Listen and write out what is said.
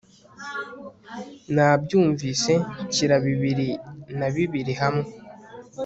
Nabyumvise nshyira bibiri na bibiri hamwe